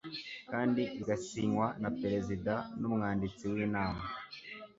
kandi igasinywa na perezida n'umwanditsi w'inama